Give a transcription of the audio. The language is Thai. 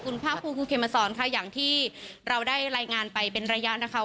คุณพาครูกูเคมเมอร์ศรศนค่ะอย่างที่เราได้รายงานไปเป็นระยะ